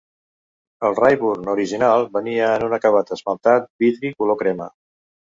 El Rayburn original venia en un acabat esmaltat vitri color crema.